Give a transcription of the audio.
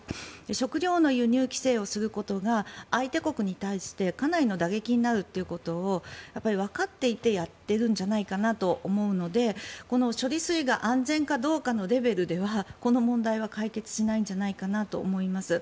食料の輸入規制をすることが相手国に対してかなりの打撃になるということをわかっていてやっているんじゃないかなと思うのでこの処理水が安全かどうかのレベルではこの問題は解決しないんじゃないかなと思います。